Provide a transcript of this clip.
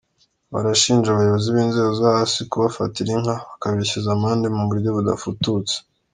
Barashinja abayobozi b’inzego zo hasi kubafatira inka bakabishyuza amande mu buryo budafututse.